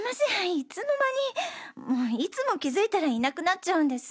いつの間にいつも気づいたらいなくなっちゃうんです。